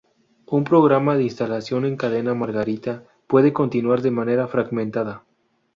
Un programa de instalación en cadena margarita puede continuar de manera fragmentada.